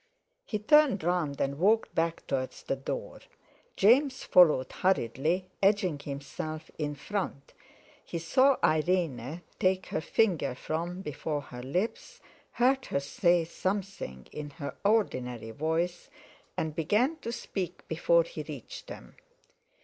He turned round and walked back towards the door. James followed hurriedly, edging himself in front. He saw Irene take her finger from before her lips, heard her say something in her ordinary voice, and began to speak before he reached them.